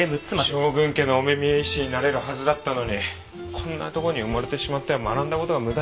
将軍家のお目見え医師になれるはずだったのにこんなとこに埋もれてしまっては学んだ事が無駄になってしまう。